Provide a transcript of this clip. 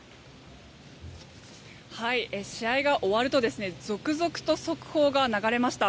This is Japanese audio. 試合が終わると続々と速報が流れました。